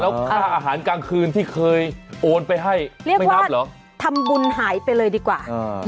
แล้วค่าอาหารกลางคืนที่เคยโอนไปให้เรียกไม่นับเหรอทำบุญหายไปเลยดีกว่า